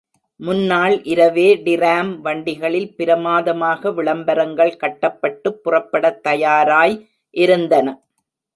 முன்னாள் இரவே டிராம் வண்டிகளில் பிரமாதமாக விளம்பரங்கள் கட்டப்பட்டுப் புறப்படத் தயாராய் இருந்தன.